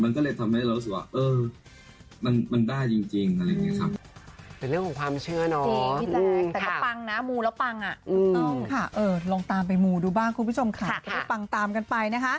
มันก็เลยทำให้เรารู้สึกว่าเออมันได้จริงอะไรอย่างนี้ครับ